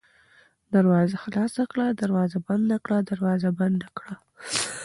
دروازه خلاصه کړه ، دروازه بنده کړه ، دروازه بنده کړه